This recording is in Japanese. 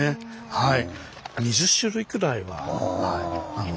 はい。